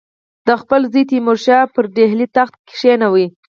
ده خپل زوی تیمورشاه به پر ډهلي تخت کښېنوي.